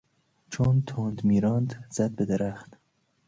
چون تند میراند زد به درخت.